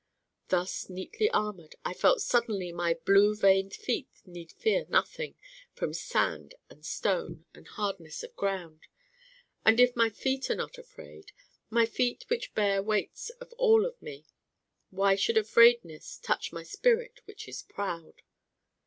Thus neatly armored I felt suddenly my blue veined feet need fear nothing from sand and stone and hardness of ground. And if my feet are not afraid my feet which bear weights of all of me why should afraidness touch my spirit which is proud?